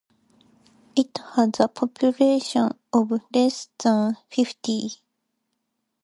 It has a population of less than fifty.